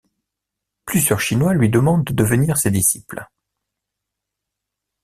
Plusieurs Chinois lui demandent de devenir ses disciples.